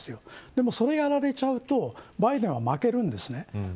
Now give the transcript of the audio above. でもそれをやられるとバイデンは負けるんですね。